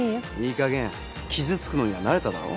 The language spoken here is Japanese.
いいかげん傷つくのには慣れただろ？